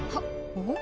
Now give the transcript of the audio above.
おっ！